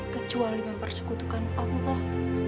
kecuali mempersekutukan allah